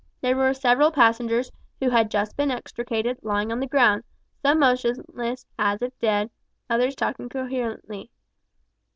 There were several passengers, who had just been extricated, lying on the ground, some motionless, as if dead, others talking incoherently.